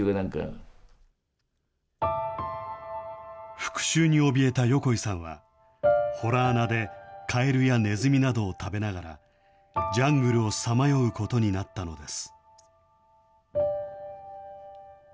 復しゅうにおびえた横井さんは、洞穴でカエルやネズミなどを食べながら、ジャングルをさまようことになったのです。